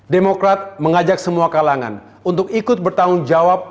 demokrat mengajak semua kalangan untuk ikut bertanggung jawab